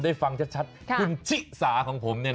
ยาวมาก